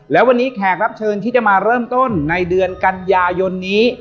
และวันนี้แขกรับเชิญที่จะมาเริ่มต้นในเดือนกันยายนนี้